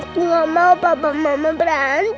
aku gak mau papa mama berantem